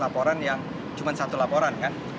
laporan yang cuma satu laporan kan